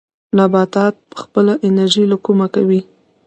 نباتات خپله انرژي له کومه کوي؟